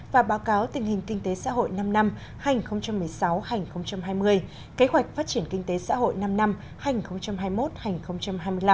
và báo cáo tình hình kinh tế xã hội năm năm hành một mươi sáu hành hai mươi kế hoạch phát triển kinh tế xã hội năm năm hành hai mươi một hành hai mươi năm